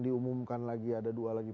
diumumkan lagi ada dua lagi